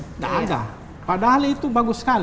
siapa ukm yang mau berinvestasi di tenun kan